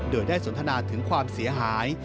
โดยได้สนทนาถึงความเสียหาย